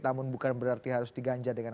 namun bukan berarti harus diganja dengan